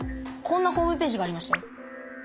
こんなホームページがありましたよ。